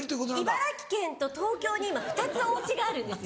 茨城県と東京に２つおうちがあるんですよ。